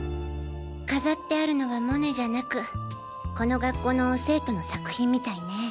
飾ってあるのはモネじゃなくこの学校の生徒の作品みたいね。